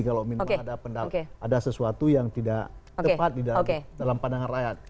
kalau ada sesuatu yang tidak tepat dalam pandangan rakyat